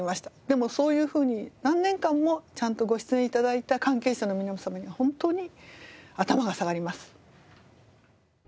でもそういうふうに何年間もちゃんとご出演頂いた関係者の皆様には本当に頭が下がります。